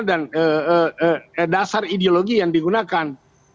dan dasar ideologi yang digunakan